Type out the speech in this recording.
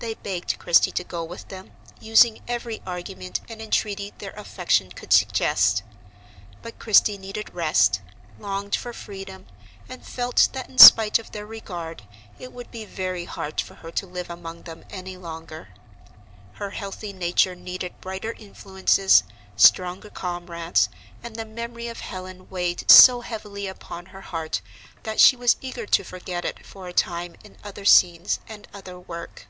They begged Christie to go with them, using every argument and entreaty their affection could suggest. But Christie needed rest, longed for freedom, and felt that in spite of their regard it would be very hard for her to live among them any longer. Her healthy nature needed brighter influences, stronger comrades, and the memory of Helen weighed so heavily upon her heart that she was eager to forget it for a time in other scenes and other work.